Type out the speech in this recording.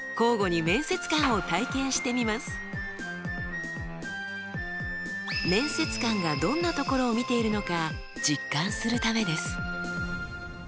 面接官がどんなところを見ているのか実感するためです。